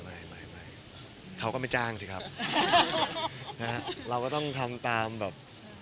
ไม่ไม่เขาก็ไม่จ้างสิครับนะฮะเราก็ต้องทำตามแบบ